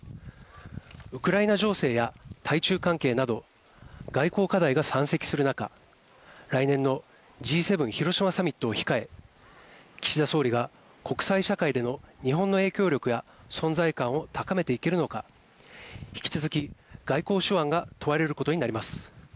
ウクライナ情勢や対中関係など外交課題が山積する中、来年のＧ７広島サミットを控え、岸田総理が国際社会での日本の影響力や存在感を高めていけるのか引き続き外交手腕が問われることになります。